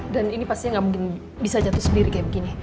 dan ini pasti nggak mungkin bisa jatuh sendiri kayak begini